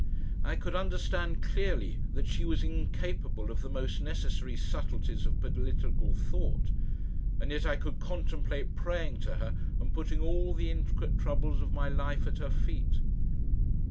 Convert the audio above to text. I could understand clearly that she was incapable of the most necessary subtleties of political thought, and yet I could contemplate praying to her and putting all the intricate troubles of my life at her feet.